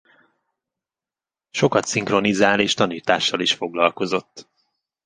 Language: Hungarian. Sokat szinkronizál és tanítással is foglalkozott.